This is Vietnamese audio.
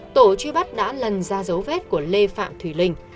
tổ truy bắt đã lần ra dấu vết của lê phạm thùy linh